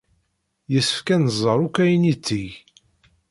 Yessefk ad nẓer akk ayen yetteg.